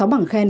sáu bảng khen